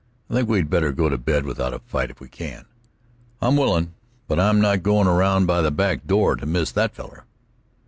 "I think we'd better go to bed without a fight, if we can." "I'm willin'; but I'm not goin' around by the back door to miss that feller."